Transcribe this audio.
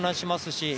し